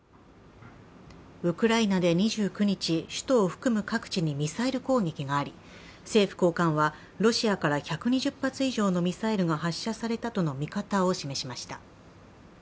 ウクライナで２９日、首都を含む各地にミサイル攻撃があり、政府高官はロシアから１２０発以上のミサイルが発射されたとの見方を示しました。